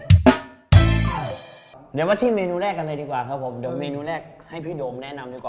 เดี๋ยวมาที่เมนูแรกกันเลยดีกว่าครับผมเดี๋ยวเมนูแรกให้พี่โดมแนะนำดีกว่า